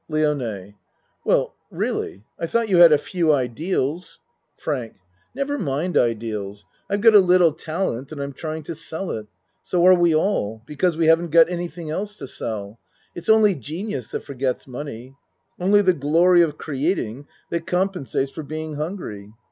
LIONE Well really I tho't you had a few ideals. FRANK Never mind ideals. I've got a little tal ent and I'm trying to sell it. So are we all be cause we haven't got anything else to sell. It's only genius that forgets money. Only the glory of creating that compensates for being hungry.